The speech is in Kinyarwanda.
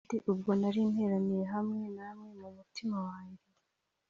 kandi ubwo nari nteraniye hamwe namwe mu mutima wanjye,